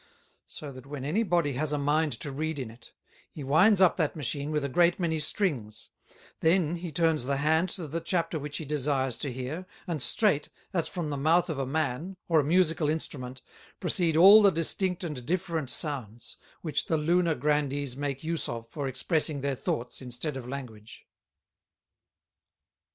So that when any Body has a mind to read in it, he winds up that Machine with a great many Strings; then he turns the Hand to the Chapter which he desires to hear, and straight, as from the Mouth of a Man, or a Musical Instrument, proceed all the distinct and different Sounds, which the Lunar Grandees make use of for expressing their Thoughts, instead of Language.